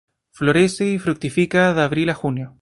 Florece y fructifica de Abril a junio.